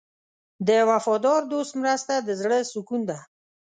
د وفادار دوست مرسته د زړه سکون ده.